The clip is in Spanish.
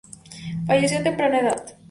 Falleció a temprana edad.